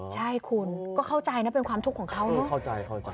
ใช่คุณก็เข้าใจนะเป็นความทุกข์ของเขาเออเข้าใจเข้าใจ